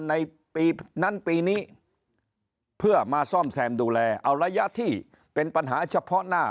ในปีนั้นปีนี้เพื่อมาซ่อมแซมดูแลเอาระยะที่เป็นปัญหาเฉพาะหน้า